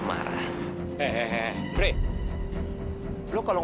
makanin kalau apa saja